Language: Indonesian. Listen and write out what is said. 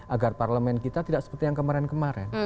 agar parlemen kita tidak seperti yang kemarin kemarin